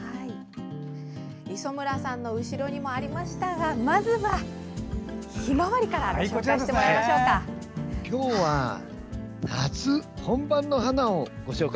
磯村さんの後ろにもありましたがまずは、ヒマワリから紹介してもらいましょうか。